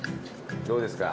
どうですか？